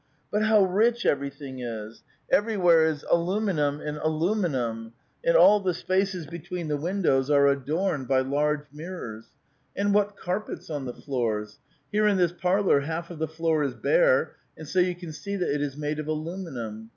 But how rich every thing is ! Everywhere is aluminum and aluminum, and all the spaces between the windows are adorned by large mir rors. And what carpets on the floors ! Here in this parlor half of the floor is bare, and so 3'ou can see that it is made of aluminum.